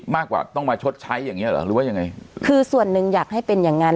มากกว่าต้องมาชดใช้อย่างเงี้เหรอหรือว่ายังไงคือส่วนหนึ่งอยากให้เป็นอย่างงั้น